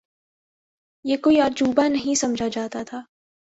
یہ کوئی عجوبہ نہیں سمجھا جاتا تھا۔